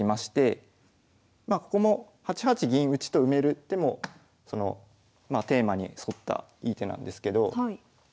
まあここも８八銀打と埋める手もテーマに沿ったいい手なんですけどまあ